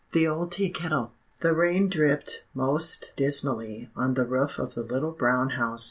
THE OLD TEA KETTLE. The rain dripped most dismally on the roof of the Little Brown House.